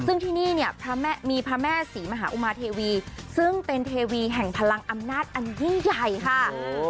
ซึ่งที่นี่เนี่ยมีพระแม่ศรีมหาอุมาเทวีซึ่งเป็นเทวีแห่งพลังอำนาจอันยิ่งใหญ่ค่ะ